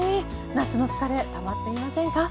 夏の疲れたまっていませんか？